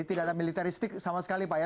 tidak ada militaristik sama sekali pak ya